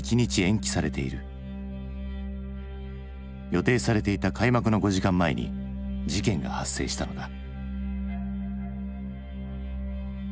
予定されていた開幕の５時間前に事件が発生したのだ。